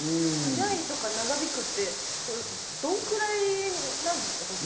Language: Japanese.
早いとか長引くってどのくらいなんですか？